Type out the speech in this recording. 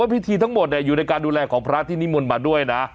พิธีทั้งหมดอยู่ในการดูแลของพระที่นิมนต์มาด้วยนะ